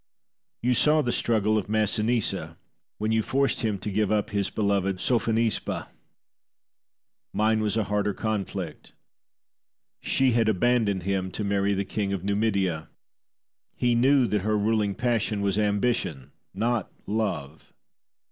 You saw the struggle of Masinissa, when you forced him to give up his beloved Sophonisba. Mine was a harder conflict. She had abandoned him to marry the King of Numidia. He knew that her ruling passion was ambition, not love.